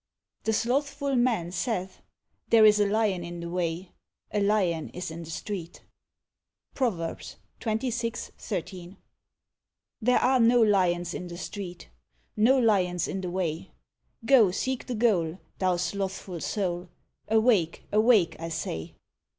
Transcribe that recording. The slothful man saith, There is a lion in the way; a lion is in the street.—PROVERBS 26: 13. THERE are no lions in the street; No lions in the way. Go seek the goal, thou slothful soul, Awake, awake, I say.